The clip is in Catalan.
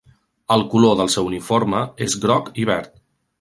El color del seu uniforme és groc i verd.